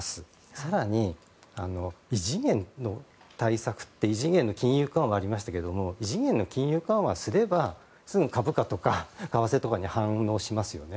更に、異次元の対策って異次元の金融緩和もありましたが異次元の金融緩和すれば株価とか為替に反応しますよね。